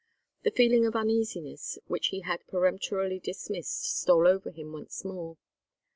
The feeling of uneasiness which he had peremptorily dismissed stole over him once more.